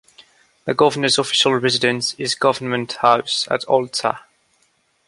The Governor's official residence is Government House at Old Ta.